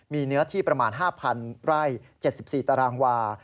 มีเนื้อที่ประมาณ๕๐๐ไร่๗๔ตารางวา